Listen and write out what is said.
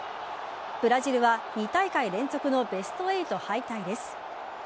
ブラジルは２大会連続のベスト８敗退です。